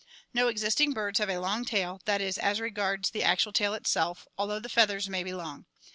No existing birds have a long tail, that is, as regards the actual tail itself, although the feathers may be long.